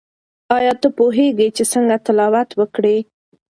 آیا ته پوهیږې چې څنګه تلاوت وکړې؟